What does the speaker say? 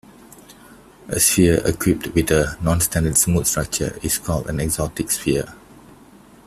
A sphere equipped with a nonstandard smooth structure is called an exotic sphere.